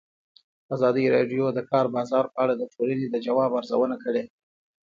ازادي راډیو د د کار بازار په اړه د ټولنې د ځواب ارزونه کړې.